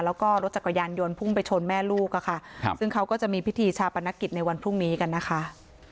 แล้วก็รถจักรยานยนต์พุ่งไปชนแม่ลูกอะค่ะครับซึ่งเขาก็จะมีพิธีชาปนกิจในวันพรุ่งนี้กันนะคะ